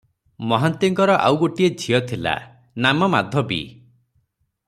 ମହାନ୍ତିଙ୍କର ଆଉ ଗୋଟିଏ ଝିଅ ଥିଲା, ନାମ ମାଧବୀ ।